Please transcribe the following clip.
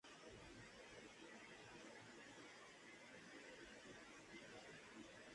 Entre sus depredadores se encuentra el dragón de Komodo.